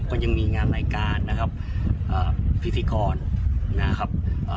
ก็ยังมีงานรายการนะครับอ่าพิธีกรนะครับ